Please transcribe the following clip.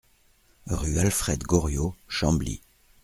Rue Alfred Goriot, Chambly